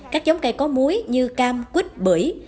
các giống cây có muối như cam quýt bưởi